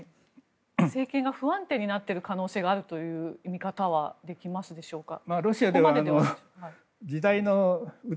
政権が不安定になっている可能性があるという見方はできますでしょうか。